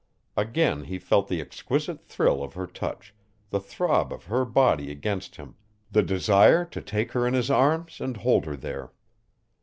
Again he felt the exquisite thrill of her touch, the throb of her body against him, the desire to take her in his arms and hold her there.